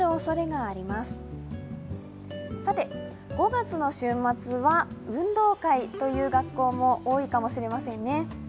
５月の週末は運動会という学校も多いかもしれませんね。